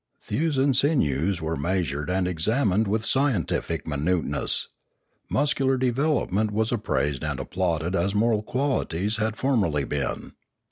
Thews and sinews were measured and examined with scientific minuteness. Muscular development was appraised and applauded as moral qualities had formerly been.